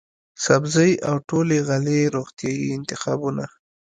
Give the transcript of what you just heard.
سبزۍ او ټولې غلې روغتیايي انتخابونه،